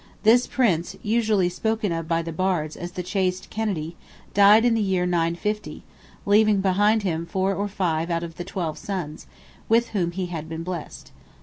This Prince, usually spoken of by the Bards as "the chaste Kennedy," died in the year 950, leaving behind him four or five out of twelve sons, with whom he had been blessed.